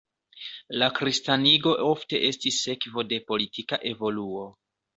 La kristanigo ofte estis sekvo de politika evoluo.